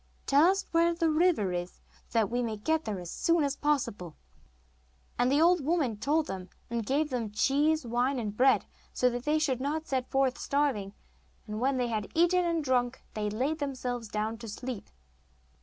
Tell us where the river is, so that we may get there as soon as possible.' And the old woman told them, and gave them some cheese, wine, and bread, so that they should not set forth starving; and when they had eaten and drunk they laid themselves down to sleep.